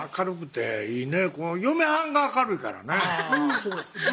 そうですね